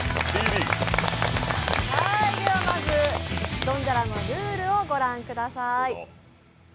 まず「ドンジャラ」のルールをご覧ください。